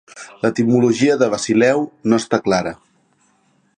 L'etimologia de "basileu" no està clara.